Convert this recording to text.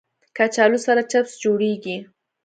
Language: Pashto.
کچالو سره چپس جوړېږي